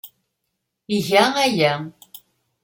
Iga aya.